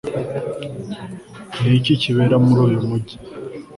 Ni iki kibera muri uyu mujyi